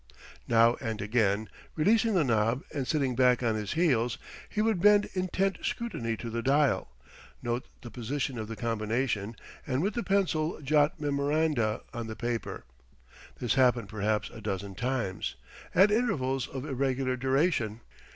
Now and again, releasing the knob and sitting back on his heels, he would bend intent scrutiny to the dial; note the position of the combination, and with the pencil jot memoranda on the paper. This happened perhaps a dozen times, at intervals of irregular duration.